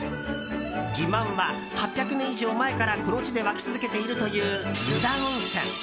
自慢は８００年以上前からこの地で湧き続けているという湯田温泉。